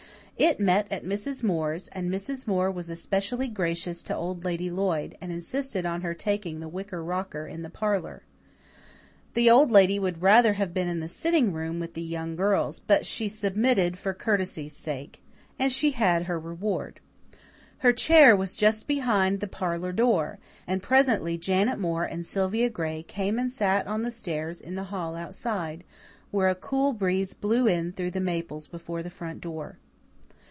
It met at Mrs. Moore's and Mrs. Moore was especially gracious to Old Lady Lloyd, and insisted on her taking the wicker rocker in the parlour. The Old Lady would rather have been in the sitting room with the young girls, but she submitted for courtesy's sake and she had her reward. Her chair was just behind the parlour door, and presently Janet Moore and Sylvia Gray came and sat on the stairs in the hall outside, where a cool breeze blew in through the maples before the front door.